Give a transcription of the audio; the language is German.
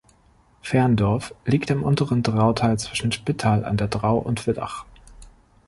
Ferndorf liegt im Unteren Drautal zwischen Spittal an der Drau und Villach.